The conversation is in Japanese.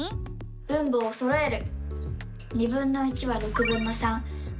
分母をそろえる！